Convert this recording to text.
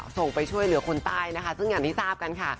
ส่งไปช่วยเหลือคนใต้นะคะซึ่งอย่างที่ทราบกันค่ะ